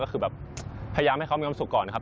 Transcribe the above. ก็คือแบบพยายามให้เขามีความสุขก่อนนะครับ